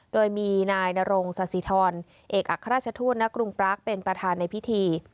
โดยมีนายนรงศาสิทรเอกอัครราชทูตณกรุงปรากเป็นประธานในพิธี